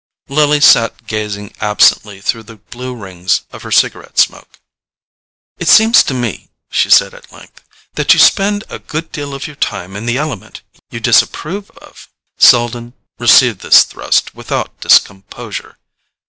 Lily sat gazing absently through the blue rings of her cigarette smoke. "It seems to me," she said at length, "that you spend a good deal of your time in the element you disapprove of." Selden received this thrust without discomposure.